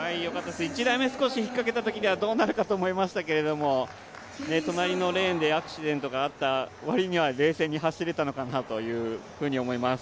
１台目、少し引っかけたときはどうなるかと思いましたけども隣のレーンでアクシデントがあったにわりは落ち着いて走れたかなと思います。